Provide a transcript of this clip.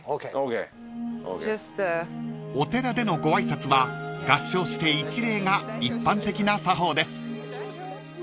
［お寺でのご挨拶は合掌して一礼が一般的な作法です］